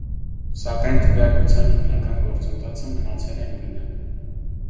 Սակայն քվեարկության հիմնական գործընթացը մնացել է նույնը։